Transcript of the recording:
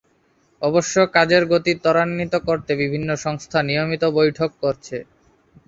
অবশ্য কাজের গতি ত্বরান্বিত করতে বিভিন্ন সংস্থা নিয়মিত বৈঠক করছে।